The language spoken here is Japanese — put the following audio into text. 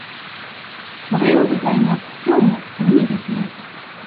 おはようございます。今日も寒いですね。